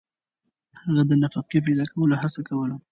هغه د نفقې پیدا کولو هڅه کوله.